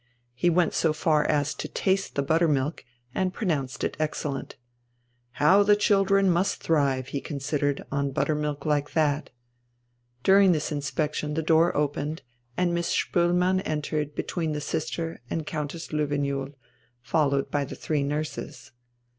He went so far as to taste the buttermilk, and pronounced it excellent. How the children must thrive, he considered, on buttermilk like that. During this inspection the door opened and Miss Spoelmann entered between the sister and Countess Löwenjoul, followed by the three nurses.